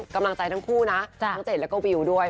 กำลังใจทั้งคู่นะทั้งเจดแล้วก็วิวด้วย